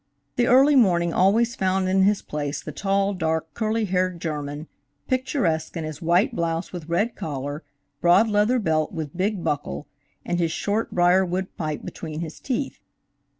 The early morning always found in his place the tall, dark, curly haired German, picturesque in his white blouse with red collar, broad leather belt with big buckle and his short briar wood pipe between his teeth.